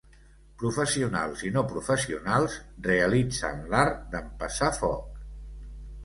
Professionals i no professionals realitzen l'art d'empassar foc.